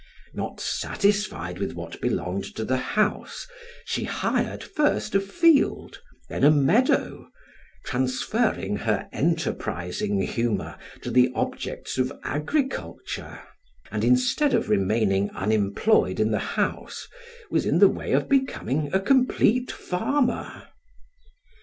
Not satisfied with what belonged to the house, she hired first a field, then a meadow, transferring her enterprising humor to the objects of agriculture, and instead of remaining unemployed in the house, was in the way of becoming a complete farmer.